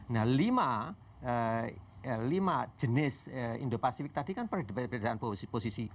nah lima jenis indo pasifik tadi kan perbedaan posisi